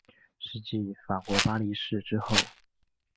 是继法国巴黎市之后。